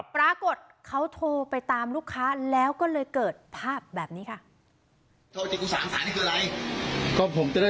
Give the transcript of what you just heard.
ปรากฏเขาโทรไปตามลูกค้าแล้วก็เลยเกิดภาพแบบนี้ค่ะ